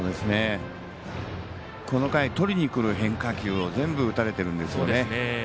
この回とりにくる変化球を全部、打たれてるんですよね。